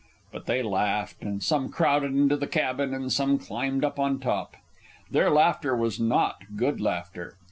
But they laughed, and some crowded into the cabin and some climbed up on top. Their laughter was not good laughter.